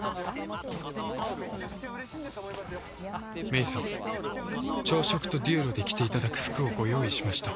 「メイ様朝食とデュエロで着て頂く服をご用意しました。